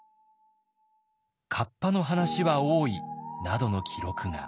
「河童の話は多い」などの記録が。